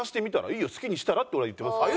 「いいよ好きにしたら」って俺は言ってますよ。